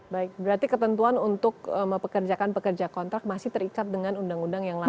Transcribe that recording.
baik berarti ketentuan untuk mempekerjakan pekerja kontrak masih terikat dengan undang undang yang lama